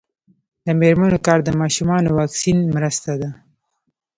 د میرمنو کار د ماشومانو واکسین مرسته ده.